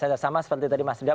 saya sama seperti tadi mas didap